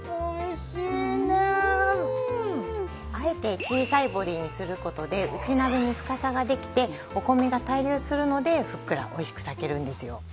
あえて小さいボディーにする事で内鍋に深さができてお米が対流するのでふっくらおいしく炊けるんですよ。